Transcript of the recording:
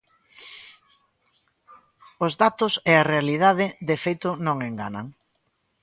Os datos e a realidade, de feito, non enganan.